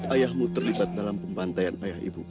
ayahmu terlibat dalam pembantaian ayah ibu